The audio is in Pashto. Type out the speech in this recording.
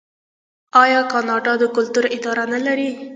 آیا کاناډا د کلتور اداره نلري؟